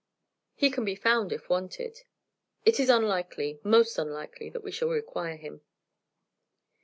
He can be found, if wanted." "It is unlikely most unlikely that we shall require him."